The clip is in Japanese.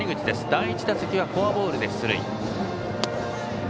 第１打席はフォアボールで出塁。